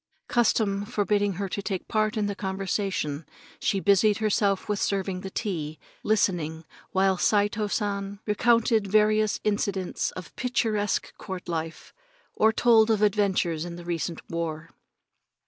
Custom forbidding her to take part in the conversation, she busied herself with serving the tea, listening while Saito San recounted various incidents of the picturesque court life, or told of adventures in the recent war.